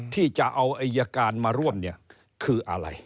ที่จะเอาอัยการมาร่วมคืออะไร